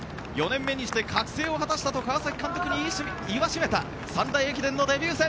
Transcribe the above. ４年目にして覚醒を果たしたと川崎監督に言わしめた三大駅伝のデビュー戦。